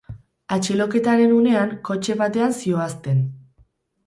Atxiloketaren unean kotxe batean zihoazten.